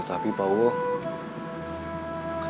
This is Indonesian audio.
kenapa ya ada ayah yang kasar